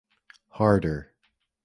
Harder.